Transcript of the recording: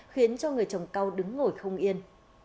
khiến cho người trồng câu đứng ngồi không yên